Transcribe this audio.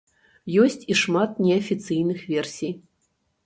Ёсць і шмат неафіцыйных версій.